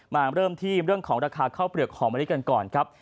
มาเริ่มที่เรื่องของราคาข้าวเปลือกหอมมะลิกันก่อนครับ